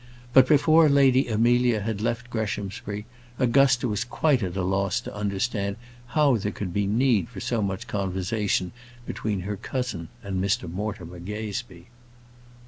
But before Lady Amelia had left Greshamsbury, Augusta was quite at a loss to understand how there could be need for so much conversation between her cousin and Mr Mortimer Gazebee.